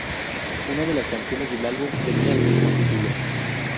Una de las canciones del álbum tenía el mismo título.